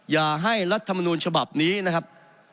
อย่าให้รัฐมนูลฉบับนี้นะครับ